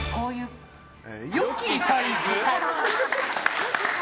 良きサイズ。